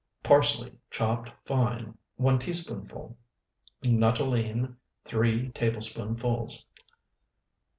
Parsley, chopped fine, 1 teaspoonful. Nuttolene, 3 tablespoonfuls.